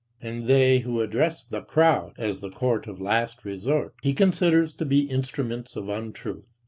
And they who address the "crowd" as the court of last resort, he considers to be instruments of untruth.